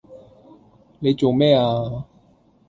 你做咩呀？